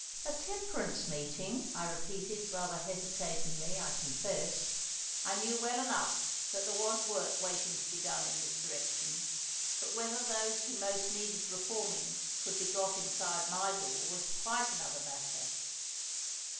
"A Temperance Meeting!" I repeated, rather hesitatingly, I confess. I knew well enough that there was work waiting to be done in this direction, but whether those who most needed reforming could be got inside my door was quite another matter.